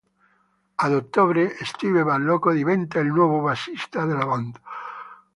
Ad ottobre Steve Balocco diventa il nuovo bassista della band.